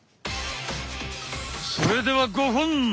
それでは５本！